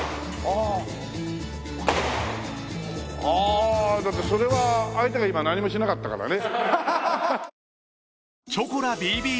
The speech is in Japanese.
ああだってそれは相手が今何もしなかったからね。